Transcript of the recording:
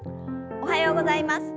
おはようございます。